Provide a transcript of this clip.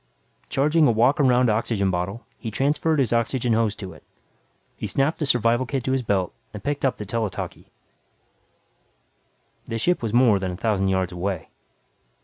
Charging a walk around oxygen bottle, he transferred his oxygen hose to it. He snapped the survival kit to his belt and picked up the tele talkie. The ship was more than a thousand yards away.